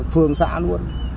phương xã luôn